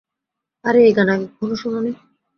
আরে, এই গান আগে কখনো শোনোনি?